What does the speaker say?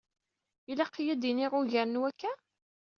Ilaq-yi ad d-iniɣ ugar n wakka?